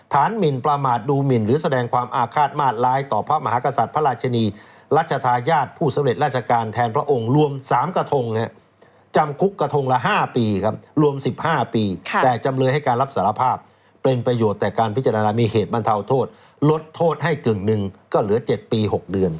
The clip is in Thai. หมินประมาทดูหมินหรือแสดงความอาฆาตมาตร้ายต่อพระมหากษัตริย์พระราชนีรัชธาญาติผู้สำเร็จราชการแทนพระองค์รวม๓กระทงจำคุกกระทงละ๕ปีครับรวม๑๕ปีแต่จำเลยให้การรับสารภาพเป็นประโยชน์แต่การพิจารณามีเหตุบรรเทาโทษลดโทษให้กึ่งหนึ่งก็เหลือ๗ปี๖เดือน